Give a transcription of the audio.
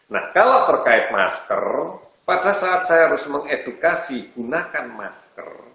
nah kalau terkait masker pada saat saya harus mengedukasi gunakan masker